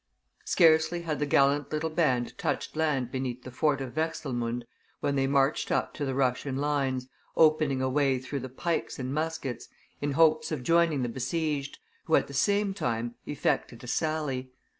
Scarcely had the gallant little band touched land beneath the fort of Wechselmunde, when they marched up to the Russian lines, opening a way through the pikes and muskets in hopes of joining the besieged, who at the same time effected a sally.